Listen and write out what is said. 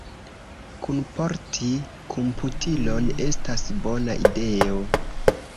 Kunporti komputilon estas bona ideo.